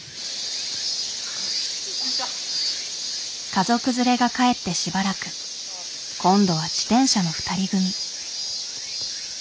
家族連れが帰ってしばらく今度は自転車の２人組。